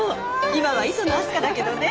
今は磯野明日香だけどね。